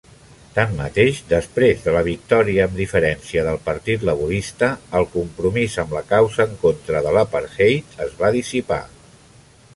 Tanmateix, després de la victòria amb diferència del Partit Laborista, el compromís amb la causa en contra de l'apartheid es va dissipar.